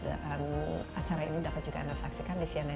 dan acara ini dapat juga anda saksikan di siang hari